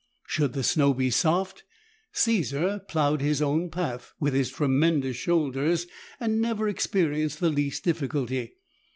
Should the snow be soft, Caesar plowed his own path with his tremendous shoulders and never experienced the least difficulty.